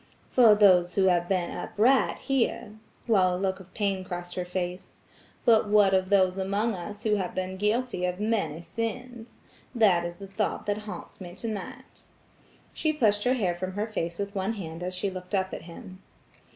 "For those who have been upright here," while a look of pain crossed her face. "But what of those among us who have been guilty of many sins? That is the thought that haunts me tonight." She pushed her hair from her face with one hand as she looked up at him.